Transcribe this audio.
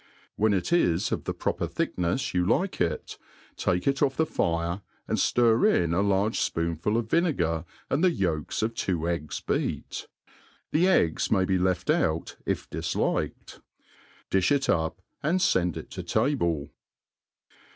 When it is of the proper thicknefs you like k/takie it off the fire, and ftir in a large fpoonful of vinegar and the yolks of two eggs beat. The eggs may be left 04iX if difliked. Di(b it up^f and fend it to table.